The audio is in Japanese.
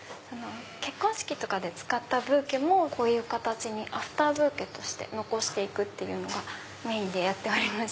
結婚式とかで使ったブーケもこういうアフターブーケとして残して行くっていうのがメインでやっております。